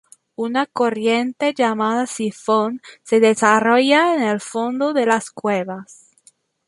Una corriente llamada Sifón se desarrolla en el fondo de las cuevas.